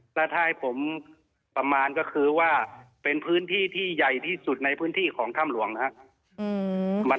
แล้วถ้าให้ผมประมาณก็คือว่าเป็นพื้นที่ที่ใหญ่ที่สุดในพื้นที่ของถ้ำหลวงนะครับ